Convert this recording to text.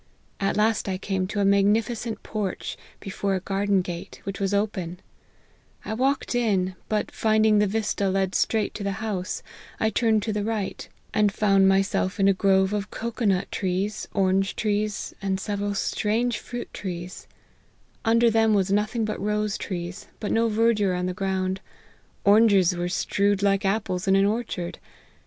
At last I came to a magnifi cent porch, before a garden gate, which was open , I walked in, but finding the vista led straight to the house, I turned to the right, and found myself in a 58 LIFE OF HENRY MARTYX. grove of cocoa nut trees, orange trees, and several strange fruit trees ; under them was nothing but rose trees, but no verdure on the ground : oranges were strewed like apples in an orchard.